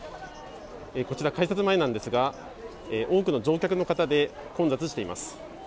こちら改札前なんですが多くの乗客の方で混雑しています。